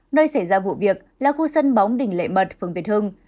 nơi xảy ra vụ việc là khu sân bóng đình lệ mật phường việt hưng